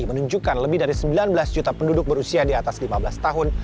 menunjukkan lebih dari sembilan belas juta penduduk berusia di atas lima belas tahun